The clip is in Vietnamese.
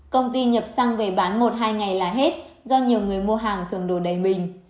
công ty nhập xăng về bán một hai ngày là hết do nhiều người mua hàng cầm đồ đầy mình